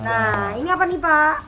nah ini apa nih pak